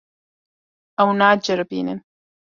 Ew naceribînin.